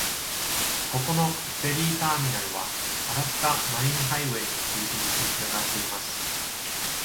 ここのフェリー・ターミナルはアラスカ・マリン・ハイウェイに続く道につながっています。